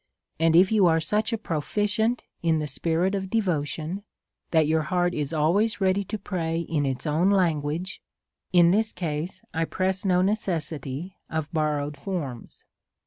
And if you are such a proficient in the spi rit of devotion, that your heart is always ready to pray in its own language, in this case I press no necessity of borrowed forms.